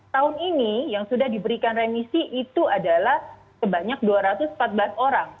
tahun ini yang sudah diberikan remisi itu adalah sebanyak dua ratus empat belas orang